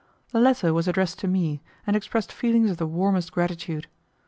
The letter was addressed to me, and expressed feelings of the warmest gratitude.